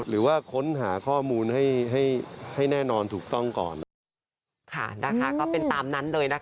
หรือว่าค้นหาข้อมูลให้ให้แน่นอนถูกต้องก่อน